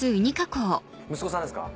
息子さんですか？